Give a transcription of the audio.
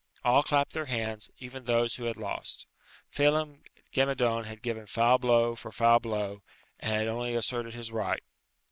All clapped their hands, even those who had lost. Phelem ghe Madone had given foul blow for foul blow, and had only asserted his right.